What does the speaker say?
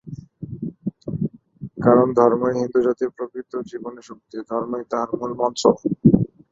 কারণ ধর্মই হিন্দুজাতির প্রকৃত জীবনীশক্তি, ধর্মই তাহার মূলমন্ত্র।